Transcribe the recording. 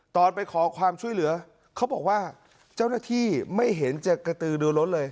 ตอนไปขอความช่วยเหลือเขาบอกว่าเจ้าหน้าที่ไม่เห็นจะกระตือดูรถเลย